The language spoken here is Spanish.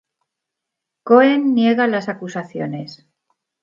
Cohen niega las acusaciones.